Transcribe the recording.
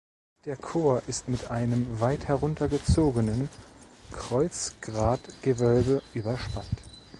Der Chor ist mit einem weit heruntergezogenen Kreuzgratgewölbe überspannt.